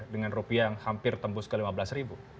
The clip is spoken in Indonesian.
dengan rupiah yang hampir tembus ke rp lima belas